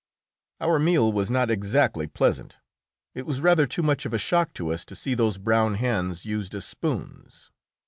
Our meal was not exactly pleasant; it was rather too much of a shock to us to see those brown hands used as spoons.